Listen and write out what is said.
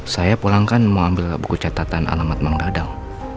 saya pulang kan mau ambil buku catatan alamat mang gadang